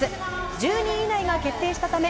１２位以内が決定したため